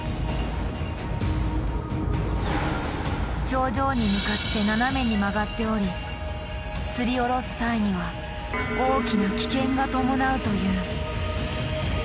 頂上に向かって斜めに曲がっておりつり下ろす際には大きな危険が伴うという。